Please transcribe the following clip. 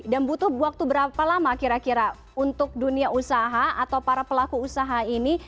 dan butuh waktu berapa lama kira kira untuk dunia usaha atau para pelaku usaha ini